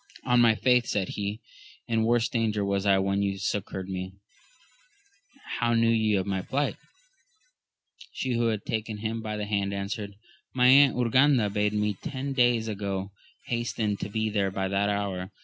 On my faith, said he, in worse danger was I when you succoured me : how knew ye of my plight ? She who had taken him by the hand answered. My Aunt Urganda bade me ten days ago hasten to be there by that hour.